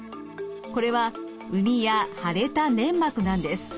これは膿や腫れた粘膜なんです。